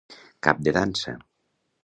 Cap de dansa.